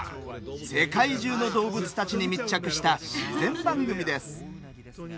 世界中の動物たちに密着した自然番組です。